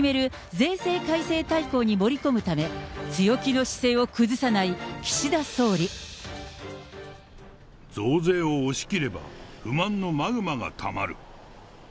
税制改正大綱に盛り込むため、増税を押し切れば、不満のマグマがたまる。